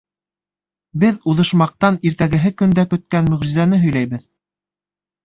Беҙ уҙышмаҡтан иртәгеһе көндә көткән мөғжизәне һөйләйбеҙ.